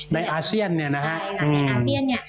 ในอาเซียนเนี่ยนะคะ